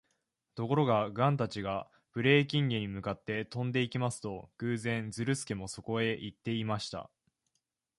ところが、ガンたちがブレーキンゲに向かって飛んでいきますと、偶然、ズルスケもそこへいっていました。